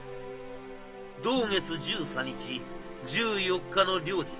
同月１３日１４日の両日